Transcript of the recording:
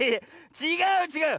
ちがうちがう！